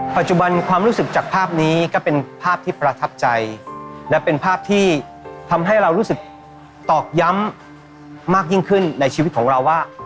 ปัจจุบันความรู้สึกจากภาพนี้ก็เป็นภาพที่ประทับใจและเป็นภาพที่ทำให้เรารู้สึกตอกย้ำมากยิ่งขึ้นในชีวิตของเราว่า